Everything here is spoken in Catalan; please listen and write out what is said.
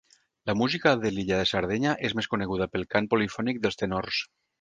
La música de l'illa de Sardenya és més coneguda pel cant polifònic dels tenors.